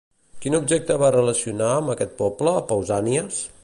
Quin objecte va relacionar amb aquest poble, Pausànias?